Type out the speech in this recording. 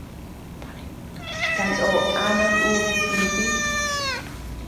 Kanoo ama nubi chinti.